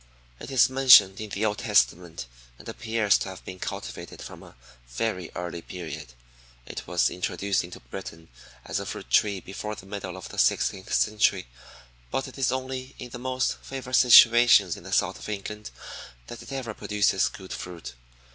It is mentioned in the Old Testament, and appears to have been cultivated from a very early period. It was introduced into Britain as a fruit tree before the middle of the sixteenth century, but it is only in the most favored situations in the south of England that it ever produces good fruit.